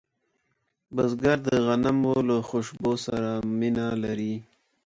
بزګر د غنمو له خوشبو سره مینه لري